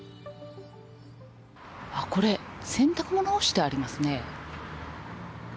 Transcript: これ、洗濯物干してありますね。